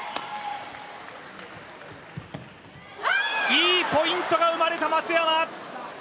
いいポイントが生まれた松山。